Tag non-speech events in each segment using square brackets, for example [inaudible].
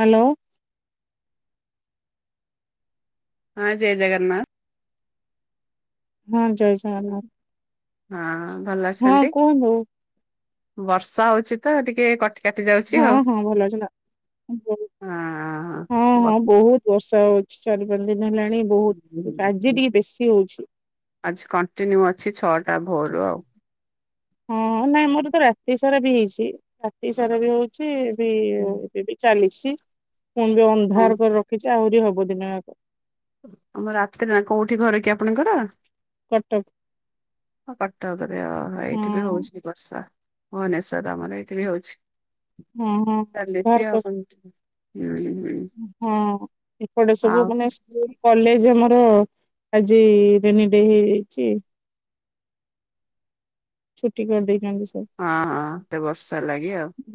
Hello ହଁ ଜୟ ଜଗନ୍ନାଥ। ହଁ ଜୟ ଜଗନ୍ନାଥ ହଁ ଭଲ ହଁ ଅଛନ୍ତି? କୁହନ୍ତୁ ବର୍ଷା ହଉଛି ତ ଟିକେ କଠି ହଁ ହଁ ଭଲ ଥିଲା ହଁ ହଁ ବହୁତ ବର୍ଷା ହଉଛି ଚାଲୁ ବେଶୀ ହଉଛି ଆଜି କଣ୍ଟିନିଉ ଅଛି ଛଅଟା ହ ର ଆଉ ହଁ ନାଇଁ ଆମର ତ ରାତି ସାରା ବି ହେଇଛି, ରାତି ସାରା ବି ହଉଛି। ବି ଏବେ ବି ଚାଲିଛି ପୁଣି ବି ହଁ ଅନ୍ଧାର କରି ରଖିଛି ଆହୁରି ହବ ଦିନ ଆଗ ଆମ ରାତିରେ ନା କୋଉଠି ଘର କି ଆପଣଙ୍କର? କଟକ କଟକ ରେ ଅହ ହଁ ଏଇଠି ଯେ ହଉଛି ବର୍ଷା ଭୁବନେଶ୍ୱର ରେ ଆମର ଏଇଠି ବି ହଉଛି, ହଁ ହଁ ବାହାର ଚାଲିଛି ଆଉ କର [unintelligible] ହଁ ଏପଟେ ସବୁ ଆଉ ମାନେ ହଁ ସ୍କୁଲ କଲେଜ ହ ଆଜି ରେନି ଡେ ହେଇଯାଇଛି। ଛୁଟି କର ଦେଇ ହଁ ହଁ ସେ ବର୍ଷ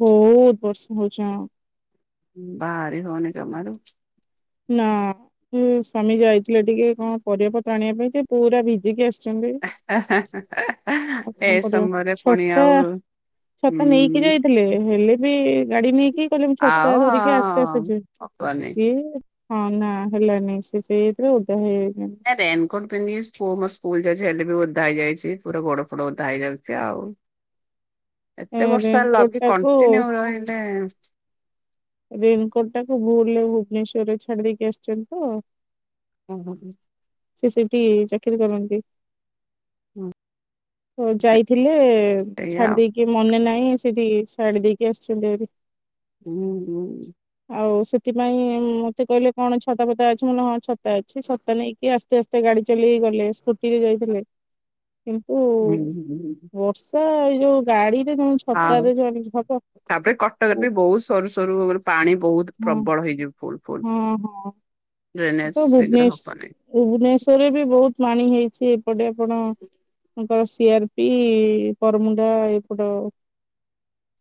ବହୁତ ବର୍ଷା ହଉଛି ହଁ ବାହାରି ହଉନି ଜମାରୁ ନା ସ୍ୱାମୀ ଯାଇଥିଲେ ଟିକେ କଣ ପରିବାପତ୍ର ଆଣିବା ପାଇଁ ଯେ ପୁରା ଭିଜିକି ଆସି ଛନ୍ତି ଆଉ ଏ କଣ କରିବ? ସମୟରେ ପୁଣି ଛତା ଆଉ ଛତ ନେଇକି ଯାଇଥିଲେ ହୁଁ ହେଲେ ବି କିଏ କଲେ ମୁ ଛତା ଆଉ ଧରିକି ଆସ୍ତେ ଆସେ ଯ ହବନି ସିଏ ହଁ ନା ହେଲାନି ସେ ସେଇଥିଲା ଓଦା ହେଇ ହେଇ ର ରେନକୋଟ ପିନ୍ଧି ସ୍କୁଲ ଯଛି ହେଲେ ବି ଓଧା ହେଇଯାଇଛି ପୁରା ଗୋଡ ଫୋଡ ଓଦା ହେଇଯାଉଛି ଆଉ ଏ ଏତେ ବର୍ଷ ରେନକୋଟ ଲଗି ଟାକୁ କଣ୍ଟିନ୍ୟୁ ରହିଲେ ରେନକୋଟ ଟାକୁ ଭୁଲରେ ଭୁବନେଶ୍ୱରରେ ଛାଡିିଦେଇକି ଆସିଛନ୍ତି ତ ହଁ ହ ହ ସେ ସେଠି ଚାକିରି କରନ୍ତି, ତ ଯାଇଥିଲେ ସେଇଆ ଛାଡି ଆଉ ଦେଇକି, ମନେ ନାହିଁ ସେଠି ଛାଡି ଦେଇକି ଆସିଛନ୍ତି ଏରି। ହୁଁ ହୁଁ ଆଉ ସେଥିପାଇଁ ମତେ କହିଲେ କଣ ଛତା ପତା ଅଛି ମୁ ହଁ ଛତା ଅଛି ଛତା ନେଇକି ଆସ୍ତେ ଆସ୍ତେ ଗାଡି ଚଲେଇକି ଗଲେ, ସ୍କୁଟିରେ ଯାଇଥିଲେ। ହ କିନ୍ତୁ ବର୍ଷା ଏଇ ଯୋଉ ଗାଡି ହଁ ତାପରେ କଟକରେ ହଁ ବି ବହୁତ ସରୁ [unintelligible] ପାଣି ବହୁତ ହଁ ପ୍ରବଳ ହେଇଯିବ ଫୁଲ୍ ଫୁଲ୍। ହଁ ତ ଭୁବନେଶ୍ ଭୁବନେଶ୍ୱରରେ ବି ବହୁତ ପାଣି ହେଇଚି ଏପଟେ ଆପଣ bus C R P Baramunda ଏପଟ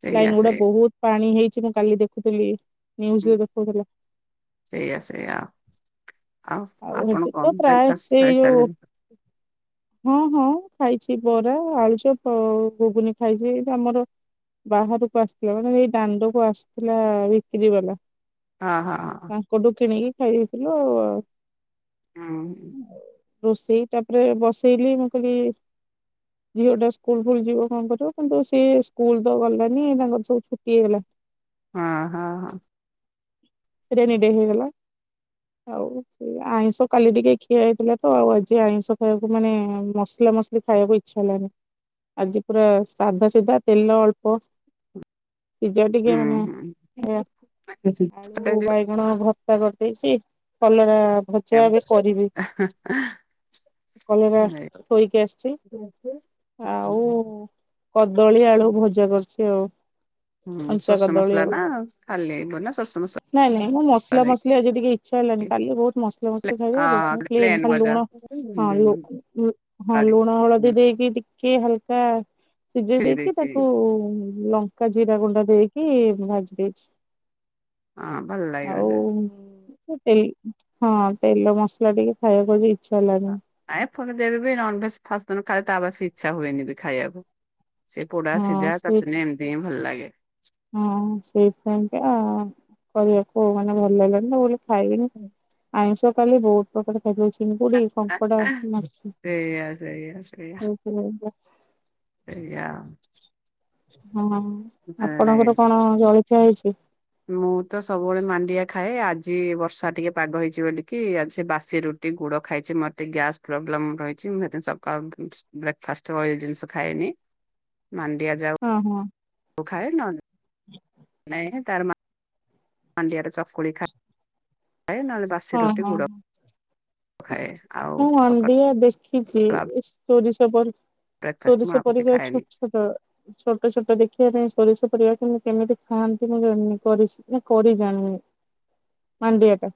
ସେଇଆ ଲାଇନ ସେ ଗୁଡା ବହୁତ ପାଣି ହେଇଚି, ମୁଁ କାଲି ଦେଖୁଥିଲି। ନ୍ୟୁଜରେ ଦେଖୁଥିଲୁ। ସେଇଆ ସେଇଆ ଆଉ ଆପଣ ସେଠି କଣ ତ ପ୍ରାୟେ ବ୍ରେକଫାଷ୍ଟ ସେ ଯୋଉ ଖାଇସାରିଲେଣି? ହଁ ହଁ। ଖାଇଛି ବରା, ଆଳୁଚପ ଆଉ ଘୁଗୁନି ଖାଇଛି ଏଇଠି ଆମର। ବାହାରକୁ ଆସିଥିଲା ମାନେ ଏଇ ଦାଣ୍ଡକୁ ଆସିଥିଲା ବିକ୍ରି ବାଲା। ହଁ ହଁ ହଁ ତାଙ୍କଠୁ କିଣିକି ଖାଇ ଦେଇଥିଲୁ ଆଉ। ଉଁ। ରୋଷେଇ ତାପରେ ବସେଇଲି, ମୁଁ କହିଲି ଝିଅଟା ସ୍କୁଲ ଫୁଲ୍ ଯିବ କଁ କରିବ, କିନ୍ତୁ ସିଏ ସ୍କୁଲ ତ ଗଲାନି ତାଙ୍କର ସବୁ ଛୁଟି ହେଇଗଲା। ହଁ-ହଁ-ହଁ। [unintelligible] ହେଇଗଲା। ଆଉ ଆଇଁଷ କାଲି ଟିକେ ଖିଆ ହେଇଥିଲା ତ ଆଉ ଆଜି ଆଇଁଷ ଖାଇଆକୁ ମାନେ ମସ ଲା ମସଲି ଖାଇବାକୁ ଇଚ୍ଛା ହେଲାନି। ଆଜି ପୁରା ସାଧା ସିଧା ତେଲ ଅଳ୍ପ। ସିଜା ଟିକେ ହୁଁ ମାନେ ହୁଁ। ଏ ଆଳୁ, ବାଇଗଣ ଭର୍ତ୍ତା କରଦେଇଚି କଲରା ଭଜା ଏବେ କରିବି। କଲରା ଥୋଇକି ଆସଛି, ଆଉ କଦଳୀ, ଆଳୁ ଭଜା କରଛି ଆଉ। ହୁଁ କଞ୍ଚା ସୋରିଷ କଦଳୀ ମସଲା ଆଉ ନା ଖାଲି [unintelligible] ନା ସୋରିଷ ମସଲା? ନାଇଁ ନାଇଁ ମୁଁ ମସଲା ଦେଇକି ମସଲି ଆଜି ଟିକେ ଇଚ୍ଛା ହେଲାନି, କାଲି ବହୁତ ମସଲା ମସଲି ଖାଇ ଦେଇଥିଲୁ ହଁ ପ୍ଲେନ ଖାଲି ଭଜା। ଲୁଣ ହଁ ଲୁ ହଁ ଲୁଣ ହଳଦୀ ଦେଇକି ଟି କେ ହାଲକା ସିଝେଇ ଦେଇକି ତାକୁ ଲଙ୍କା ଜିରା ଗୁଣ୍ଡ ଦେଇକି ଭାଜି ଦେଇଛି। ହଁ ଭଲ ଲାଗିବ ଯେ। ଏଇ ହଁ ତେଲ ମସଲା ଟିକେ ଖାଇବାକୁ ଆଜି ଇଚ୍ଛା ହେଲାନି [unintelligible] ନନଭେଜ ଫାଷ୍ଟ ତମେ ଖାଇବ ତାପରେ ସିଏ ଇଚ୍ଛା ହୁଏନି ବି ଖାଇବାକୁ। ସେ ପୋଡା ହଁ ସିଝା ସେ ଚଟଣି ଏମତି ହିଁ ଭଲ ଲାଗେ। ହଁ ସେଇଥପାଇଁ କା କରିବାକୁ ଆଉ ମାନେ ଭଲ ଲାଗିଲାନି ମୁଁ କହିଲି ଖାଇବିନି। ଆଇଁଷ କଲେ ବହୁତ ପ୍ରକାର ଏଯୋଉ ଚିଙ୍ଗୁଡି କଙ୍କଡା ମା ସେଇଆ ସେଇଆ [unintelligible] ଏଇଆ। ହଁ ଭଲ ଆପଣଙ୍କର ଲାଗେନି କଣ ଜଳଖିଆ ହେଇଛି ମୁଁ ତ ସବୁବେଳେ ମାଣ୍ଡିଆ ଖାଏ, ଆଜି ବର୍ଷା ଟିକେ ପାଗ ହେଇଚି ବୋଲିକି ଆଜି ସେ ବାସି ରୁଟି ଗୁଡ ଖାଇଚି। ମୋର ଟିକେ ଗ୍ୟାସ ପ୍ରୋବ ଲେମ୍ ରହିଚି। ମୁଁ ସେଥିପାଇଁ ସକାଳୁ ବ୍ରେକଫାଷ୍ଟ ଅ ଏ ଜିନିଷ ଖାଇବି। ମାଣ୍ଡିଆ ଯାଉ ହଁ ହଁ କୁ ଖାଏ, ନହେଲେ ନାଇ ତାର ମା ମାଣ୍ଡିଆର ଚକୁଳି ଖାଏ। ଖାଏ ନହେଲେ ବାସି ହଁ ରୁଟି, ହଁ ଗୁଡ଼। ମୁଁ ମାଣ୍ଡିଆ ଦେଖିଚି ଏ ସୋରିଷ ପରି। ବ୍ରେକଫାଷ୍ଟ ମୁଁ ସୋରିଷ ଆଉ କିଛି ପରିକା ଖାଏନି ଛୋଟ ଛୋଟ, ଛୋଟ ଛୋଟ ଦେଖିବା ପାଇଁ ସୋରିଷ ପରିକା କେମି କେମିତି ଖାଆନ୍ତି ମୁଁ ଜାଣନି କରି ସିକି। କରି ଜାଣିନି ମାଣ୍ଡିଆଟା।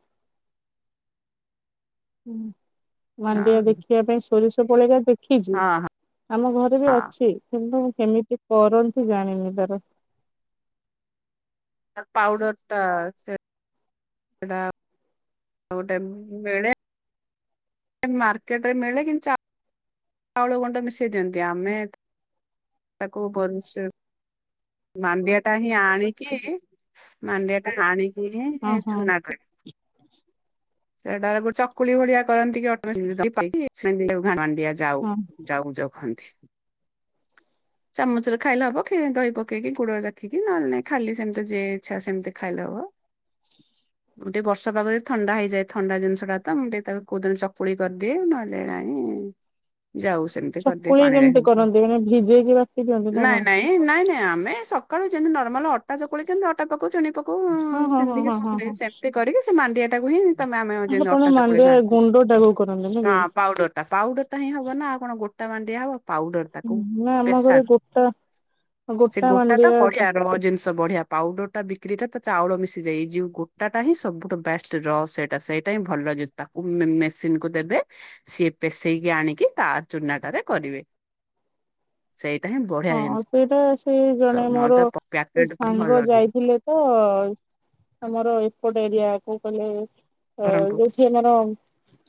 ଉଁ ମାଣ୍ଡିଆ ହଁ ଦେଖିବା ପାଇଁ ସୋରିଷ ପରିକା ଦେଖିଚି। ହଁ ହଁ। ଆମ ଘରେ ବି ହଁ ଅଛି। କିନ୍ତୁ, କେମିତି କରନ୍ତି ଜାଣିନି ତାର? ପାଉଡର ଟା ସେ ସେଟା ଆଉ ଗୋଟେ ମିଳେ। ମାର୍କେଟରେ ମିଳେ। କିନ୍ ଚା ଚାଉଳ ଗୁଣ୍ଡ ମିଶେଇ ଦିଅନ୍ତି। ଆମେ ତାକୁ ପରିସ୍ ମାଣ୍ଡିଆ ଟା ହିଁ ଆଣିକି-ଇ ମାଣ୍ଡିଆ ଟା ଆଣି ହଁ [unintelligible] ହଁ ଚୁନା [unintelligible] ସେଟାକୁ ଚକୁଳି ଭଳିଆ କରନ୍ତି କି, [inaudible] ମାଣ୍ଡିଆ ଯାଉ ହଁ ଯାଉ କହନ୍ତି। ଚାମଚରେ ଖାଇଲେ ହବ କି, ଦହି ପକ୍ କେଇକି ଗୁଡ ଦେଖିକି ନହେଲେ ନାଇଁ, ଖାଲି ସେମିତି ଯେ ଇଛା ସେମିତି ଖାଇଲେ ହବ। ଟିକେ ବର୍ଷା ପାଗ ଯଦି ଥଣ୍ଡା ହେଇଯାଏ। ଥଣ୍ଡା ଜିନିଷଟା ତ ମୁଁ ଟିକେ ତାକୁ କୋଉଦିନ ଚକୁଳି କରିଦିଏ। ନହେଲେ ନାଇଁ ହୁଁ। ଯାଉ ସେମିତି କରିଦିଏ ଚକୁଳି ପାଣିରେ କେମିତି ହେମତି। କରନ୍ତି ମାନେ ଭିଜେଇକି ବାଟି ଦିଅନ୍ତି ନା ନାଇଁ କଣ? ନାଇଁ ନାଇଁ ନାଇଁ ଆମ୍ ନାଇଁ, ସକାଳୁ ଯେମିତି ନ ନରମାଲ୍ ଅଟା ଚକୁଳି କେମିତି ଅଟା ପକଉ, ଚିନି ପକଉ, ହଁ ହଁ ହଁ ସିନ୍ତିକି ହଁ ହଁ ହଁ [unintelligible] ସେମିତି କରିକି ସେ ମାଣ୍ଡିଆ ଟାକୁ ହିଁ ତେମେ ଆମେ ଯେନ୍ ଅଟା ଆପଣ ଚକୁଳି ମାଣ୍ଡିଆ ଖାଆନ୍ତି। ଗୁଣ୍ଡ ଟାକୁ କରନ୍ତି ନା କି? ହଁ ପାଉଡର ଟା! ପାଉଡର ଟା ହିଁ ହବ ନା, ଆଉ କଣ ଗୋଟ୍ ଟା ମାଣ୍ଡିଆ ହବ। ପାଉଡର ତାକୁ ନା ଆମ ପେସା ଘରେ ଗୋଟା ସେ ଗୋଟା ତ ପଢିଆ [unintelligible] ଜିନିଷ ବଢିଆ ପାଉଡର ଟା ବିକ୍ରିଟା ତ ଚାଉଳ ମିଶିଯାଏ। ଏଇ ଯଉ ଗୋଟା ହିଁ, ସବୁଠୁ ବେଷ୍ଟ ରଅ ସେଇଟା ସେଇଟା ହିଁ ଭଲ, ଜ ତାକୁ ମେସିନ କୁ ଦେବେ, ସିଏ ପେସେଇକି ଆଣିକି ତା ଚୁନାଟାରେ କରିବେ। ସେଇଟା ହିଁ ବଢିଆ ଜିନିଷ। ଏ ଜଣେ ନହେଲେ ମୋର ତ ପ୍ୟାକେଟ ଭଲ ସାଙ୍ଗ ନୁହେଁ। ଯାଇଥିଲେ ତ! ଆମର ଏ ଏପଟେ ଏରିଆ, କଉ କଲେଜ! ଅ ବ୍ରହ୍ମପୁର ଯୋଉଠି ଆମର-ଅ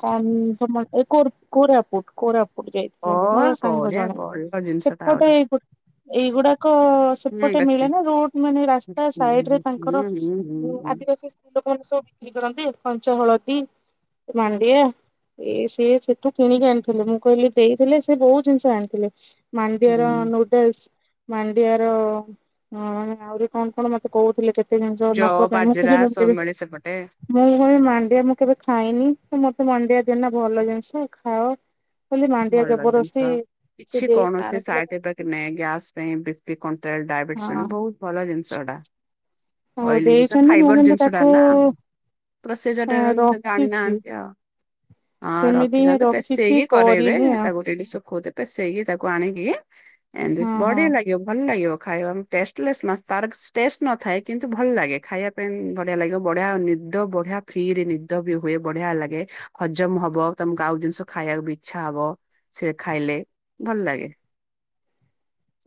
କନ୍ ତମର! ଏ କୋର କୋରାପୁଟ କୋରାପୁ ଏପଟୁ ଅ ଯାଇଥିଲେ ମୋର ସାଙ୍ଗ ବଢିଆ ଜଣେ। ଭଲ ଜିନିଷଟା ସେପଟେ ଆହୁରି ଏଇ ଗୋ ଏଇଗୁଡାକ ହୁଁ ସେପଟେ ମିଳେ ବେଶୀ ନା, ରୋ ମାନେ ରାସ୍ତା ହୁଁ ସାଇଡରେ, ହୁଁ ତାଙ୍କର ହୁଁ ହୁଁ ହୁଁ ଯୋଉ ହୁଁ। ଆଦିବାସୀ ସ୍ ଲୋକମାନେ ସବୁ ବିକ୍ରି କରନ୍ତି। କଞ୍ଚା ହଳଦୀ ମାଣ୍ଡିଆ। ଏ ସିଏ ସେଠୁ କିଣିକି ଆଣିଥିଲେ। ମୁଁ କହିଲି ଦେଇଥିଲେ, ସେ ବହୁତ ଜିନିଷ ଆଣିଥିଲେ। ମାଣ୍ଡିଆର ହୁଁ ନଉତ୍ ଏସ୍ ମାଣ୍ଡିଆର-ଅ ମାନେ ଆହୁରି କଣ କଣ ମତେ କହୁଥିଲେ। କେତ୍ ତେ ଜିନିଷ ନବା ଯଅ ପାଇଁ ମୁଁ ବାଜରା ସବୁ [unintelligible] ମିଳେ ସେପଟେ ମୁଁ, କ ମାଣ୍ଡିଆ ମୁଁ କେବେ ଖାଇନି? ତ ମ ମଣ୍ଡିଆ ଯେନା ଭଲ ଜିନିଷ ଖାଅ। ଖାଲି ମାଣ୍ଡିଆ ଭଲ ଜିନିଷ। ଜବରଦସ୍ତି, ସେ ଦେଇ ଆଣିଥିଲେ ତ। ତେମେ ପାଇଁ ଗ୍ୟାସ୍ ପାଇଁ ବିପି କଣ୍ଟେଲ, ଡାଇବେଟିସନ୍ ହଁ। ବହୁତ ଭଲ ଜିନିଷ ହେଟା। ହଉ ଅଇଲି ଜିନିଷ ଦେଇଛନ୍ତି ମୁଁ ଫାଇବ୍ର କିନ୍ତୁ ଜିନ୍ସଡା ତାକୁ ନା! ପ୍ରୋସେଜର ଏଁ ଟେ ରଖିଛି। ଜାଣିନାହାଁନ୍ତି ଆଉ। ହଁ ସେମିତି ହିଁ ରଖିଥାନ୍ତୁ। ରଖିଛି ପେଶେଇକି କରେ ଇବେ। କରିନି ଆଉ ତାକୁ ଡେଲି ଶୁଖଉଥି ପେସେଇକି ତାକୁ ଆଣିକି, ଏ ହଁ ହଁ ବଢିଆ ଲାଗିବ ଭଲ ଲାଗିବ। ଖାଇବା ଟେଷ୍ଟଲେସ୍ ନାସ୍ ତାର ସ୍ ଟେଷ୍ଟ ନଥାଏ। କିନ୍ତୁ ଭଲ ଲାଗେ। ଖାଇବା ପାଇଁ ବଢିଆ ଲାଗିବ। ବଢିଆ ନି ଦ ବଢିଆ ଫ୍ରିରେ ନିଦ ବି ହୁଏ। ବଢିଆ ଲାଗେ। ହଜମ ହବ ତମକୁ ଆଉ ଜିନିଷ ଖାଇବାକୁ ବି ଇଛା ହବ। ସେ ଖାଇଲେ ଭଲ ଲାଗେ।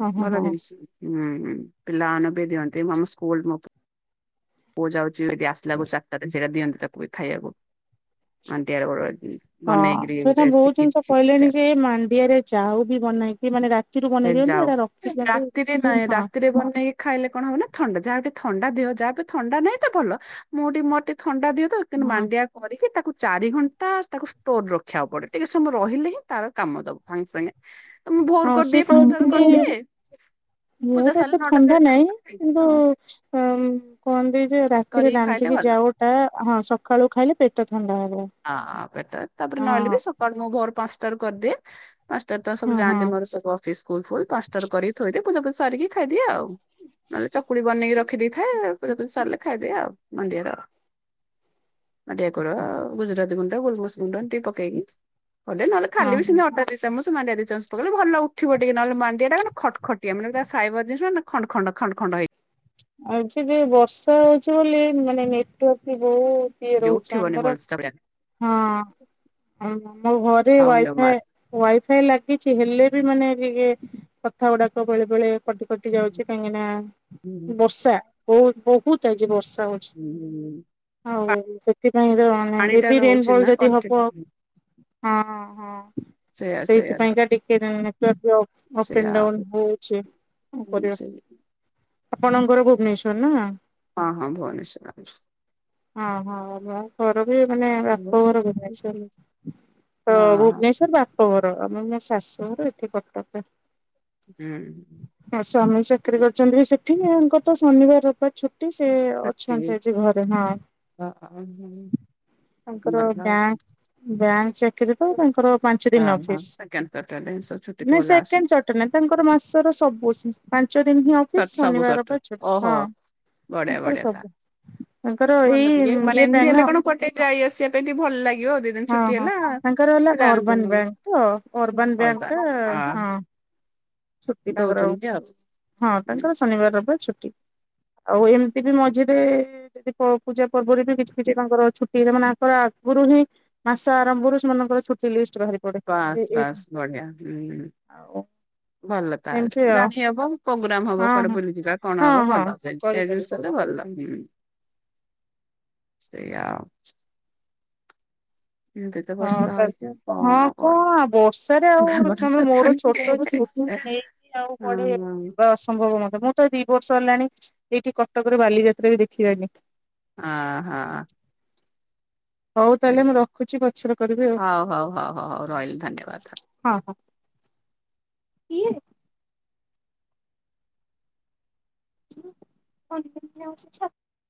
ହଁ ହଁ ଭଲ ହଁ। ଜିନିଷ। ହୁଁ, ହୁଁ ପିଲାମାନେ ବି ଦିଅନ୍ତି। ମାମ ସ୍କୁଲ ମକ ପୁଅ ଯାଉଛି ଦିଦି ଆସିଲା ଳକୁ ଚାରଟା। ସେଟା ଦିଅନ୍ତି ତାକୁ, ଖାଇଆକୁ ମାଣ୍ଡିଆ ରେ ଗୋଳ [unintelligible] ହଁ, ସେଇଟା ବହୁତ ଜିନିଷ କହିଲେଣି ଯେ, ମାଣ୍ଡିଆରେ ଯାଉ ବି ବନେଇକି, ମାନେ ରାତିରୁ ବନେ ଯାଉ ରାତିରେ ନାଇଁ, ରାତିରେ ବନେଇକି ଖାଇଲେ କଣ ହବ ନା! ଥଣ୍ଡା, ଯାହାବି ଥଣ୍ଡା ଦିହ ଯାହାକୁ ଥଣ୍ଡା ନାହିଁ ତ ଭଲ! ମୁଁଟି ମୋର ଟିକେ ଥଣ୍ଡା ଦିହ ତ, କିନ୍ ହଁ ମାଣ୍ଡିଆ କରିକି ତାକୁ ଚାରି ଘଣ୍ଟା ତାକୁ ଷ୍ଟୋର ରଖିଆକୁ ପଡେ। ଟିକେ ସମୟ ରହିଲେ ହିଁ ତାର କାମ ଦବ। ସାଙ୍ଗେ ସାଙ୍ଗେ ମୁଁ ଭୋରୁ ହଁ ସେ କରିଦିଏ, କହୁଥିଲେ ପାଞ୍ଚଟାରୁ କି କରିଦିଏ। ପୂଜା ମୋର ଏତେ ସାରିଲେ ନଅଟା ଥଣ୍ଡା ସାଢେ ନାହିଁ, ନଅଟା କିନ୍ତୁ ଖାଇଛି ଆଉ ଅମ୍ କର୍ ମୁଁ ଦେ ଯୋଉ ରାତିରେ କରିକି ଖାଇଲେ ରାନ୍ଧିକି ଭଲ ଯାଉ ଟା, ହଁ ସକାଳୁ ଖାଇଲେ ପେଟ ଥଣ୍ଡା ହେବ। ଅଁ ପେଟ ତାପରେ ନହେଲେ ବି ସକାଳୁ ମୁଁ ଭୋର ପାଁଶଟାରୁ କରଦିଏ। ପାଁଶଟାରୁ ତ ସବୁ ହଁ ହଁ ଯାଆନ୍ତି ମୋର ସବୁ ଅଫିସ୍ ସ୍କୁଲ ପୁଣି ପାଁଶଟାରୁ କରିକି ଥୋଇଦିଏ ପୂଜା ପୂଜି ସାରିକି ଖାଇଦିଏ ଆଉ। ନହେଲେ ଚକୁଳି ବନେଇ ରଖିଦେଇଥାଏ। ପୂଜା ପୂଜି ସାରିଲେ ଖାଇଦିଏ ଆଉ ମଣ୍ଡିିଆର ମଣ୍ଡିଆ କୋରୁଅ ଆଉ। ଗୁଜୁରାତି ଗୁଣ୍ଡ ଗୋଲମରିଚ ଗୁଣ୍ଡ ଏନ୍ତି ପକେଇକି କରଦିଏ ନହେଲେ ଖାଲି ବି ହଁ। ସେମିତି ଅଟା ଦି ଚାମଚ୍ ତୁ ମାଣ୍ଡିଆ ଦି ଚାମଚ୍ ପକେଇଲେ ଭଲ ଉଠିବ ଟିକେ ନହଲେ ମାଣ୍ଡିଆ ଟା କାନ ଖଟ୍ ଖଟିଆ ମାନେ ତା ଫ୍ରାଇବର୍ ଜିନିଷ ନାଁ ଖଣ୍ଡ ଖଣ୍ଡ ଖଣ୍ଡ ଖ ଭାଇ ଆଜି ଟିଏ ବର୍ଷା ହଉଚି ବୋଲି ମାନେ ନେଟୱାର୍କ ବି ବହୁ ଇଏ ହେଇଯିବ ରହୁଚି ଉଠିବନି ଆମର ଭଲସେ ତାପରେ ହଁ ଆଉ ମୋ ଘରେ ଖାଉନି ୱାଇଫାଏ ଜମାରୁ। ୱାଇଫାଇ ଲା କିଛି ହେଲେ ବି ମାନେ ରିଗେ କଥା ଉଡ଼ାକ ବେଳେ ବେଳେ କଟି କଟି ଯାଉଚି କାହିଁକି ନାଁ ବର୍ଷା ବୋହୁତ୍ ବୋହୁତ୍ ଆଜି ବର୍ଷା ହୋଉଛି ଆଉ ଉଁ ସେଥିପାଇଁ ତ ଆମେ ପାଣି ଟା ହେଭି ରହୁଛି ରେନଫଲ୍ ନା ଯଦି ହବ କଣ୍ଟିନ୍ୟୁ ହଁ ହଁ। ସେଇଆ ସେଇଆ ସେଇଥିପାଇଁ ତ କା ଟିକେ ତ network pro up and down ହଉଛି। ହୁଁ ସେମିତି। ଆପଣଙ୍କ ଘର ଭୁବନେଶ୍ଵର ନୁହଁ? ହଁ ହଁ ଭୁବନେଶ୍ୱର ହର ବି ମାନେ ହଁ ହଁ ବାପଘର ଭୁବନେଶ୍ଵର ତ ଭୁବନେଶ୍ଵର ବାପଘର ଆମେ ଏନେ ଶାଶୁ ଘର ଏଠି କଟକରେ ହୁଁ ମୋ ସ୍ୱାମୀ ଚାକିରି କରିଚନ୍ତି ବି ସେ ଥିମି ଆଙ୍କର ତ ଶନିବାର ରବାର ଛୁ ଟି ସେ ସେତିକି ଅଛନ୍ତି ଆଜି ଘରେ ହଁ। ତାଙ୍କର ଭଲ। ବ୍ୟାଁ ବ୍ୟାଙ୍କ୍ ଚାକିରି ତ ତାଙ୍କର ପାଞ୍ଚ ଦିନ୍ ହଁ ହଁ ଅଫିସ୍। ସେକେଣ୍ଡ ସଟରଡେ ଛୁଟି ଥିବ ନାଇଁ ଲାଷ୍ଟ ସେକେଣ୍ଡ୍ ସଟ୍ ନାଁ ତାଙ୍କର ମାସର ସବୁ ସିସ୍ ଚ ଦିନ୍ ହିଁ ଅଫିସ୍ ସବୁ ଶନିବାର ସଟର ରବାର ଛୁଟ୍ ହଁ। ଓହୋ ବଢିଆ ତାଙ୍କର ବଢିଆ ତା ସବୁ ତାଙ୍କର ଭଲ ଏଇ ଟିକେ ମାନେ ଇଏ ଏମିତି ପାଇଁ ହେଲେ ନୁଅ କଣ କୁଆଡେ ଯାଇ ଆସିବା ପାଇଁ ଟିକେ ଭଲ ଲାଗିବ ଦି ଦିନ ହଁ ଛୁଟି ହଁ ହେଲା ତାଙ୍କର ହେଲା ପିଲାମାନଙ୍କୁ ଅର୍ବାନ୍ ବ୍ୟାଙ୍କ୍ ତ ଅର୍ବା ଆନ୍ ବ୍ୟାଙ୍କ୍ ଟା ହଁ। ଛୁଟି ତାଙ୍କର ଦଉଛନ୍ତି ଆଉ। ହଁ ହୁଁ, ତାଙ୍କର ଶନିବାର ରବାର ଛୁଟି ଆଉ ଏମ୍ ତି ବି ମଝିରେ ଯଦି ପ ପୂଜା ପର୍ବରେ ବି କିଛି କିଛି ତାଙ୍କର ଛୁଟି ଏ ମାନେ ଆଙ୍କର ଆଗୁରୁ ହିଁ ମାସ ଆରମ୍ଭରୁ ସେମାନଙ୍କ ଓ ଛୁଟି ଲିଷ୍ଟ୍ ବାହାରି ପଡ଼େ ବାସ୍ ଏ ଏଇଠି ବାସ୍ ହିଁ ବଢିଆ ହୁଁ ଆଉ ଭଲ ତାହେଲେ ଏମିତି ଆଉ ଜାଣି ହବ ମୁଁ ପଗୁ ଲାମ୍ ହବ ହଁ କୁଆଡ଼େ ବୁଲିଯିବା କଣ ହଁ ହଁ ହବ ହଁ ଭଲ ଚାଲ୍ଚ ସେ କରିପାରିବି ଜିନିଷ ହବ ହେଲେ ଭଲ। ସେଇଆ ଆଉ ଏମିତି ହଁ ବର୍ଷା ତ ହଉଛି ଆଉ ହଁ କଣ ବର୍ଷାରେ ଆଉ ତମେ ମୋର ଛୋଟ ଛୁଆ କଣ ନେଇକି ଆଉ କୁଆଡ଼େ ଯିବା ଅସମ୍ଭବ ମତେ ମୁଁ ତ ଦି ବର୍ଷ ହେଲାଣି ଏଇଠି କଟକର ବାଲିଯାତ୍ରା ବି ଦେଖିିଆନି। ଅହ। ହଉ ତାହେଲେ ମୁଁ ରଖୁଛି ପଛରେ କରିବି ଆଉ। ହଉ ହଉ ହଉ ହଉ ହଉ ରହିଲି ଧନ୍ୟବାଦ। ଇଏ କଁ [unintelligible] ବସିଛ?